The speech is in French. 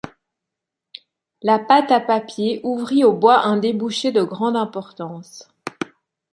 La pâte à papier ouvrit au bois un débouché de grande importance.